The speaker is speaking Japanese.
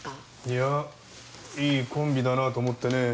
いやいいコンビだなと思ってね。